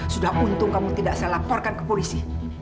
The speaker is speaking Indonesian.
sudah untung kamu tidak saya laporkan ke polisi